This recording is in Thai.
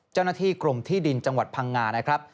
เจ้าหน้าที่กรมที่ดินจังหวัดพังงานะครับ